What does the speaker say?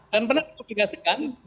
dan pernah dipublikasikan